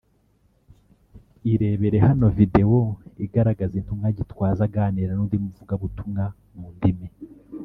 Irebere hano Video igaragaza Intumwa Gitwaza aganira n’undi muvugabutumwa mu ndimi